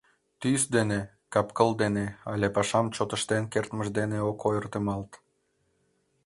Тӱс дене, кап-кыл дене але пашам чот ыштен кертмыж дене ок ойыртемалт.